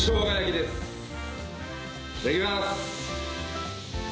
いただきます。